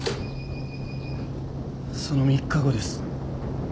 その３日後です